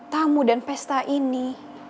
tamu dan pesta ini